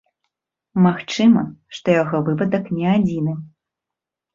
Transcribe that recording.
Магчыма, што яго выпадак не адзіны.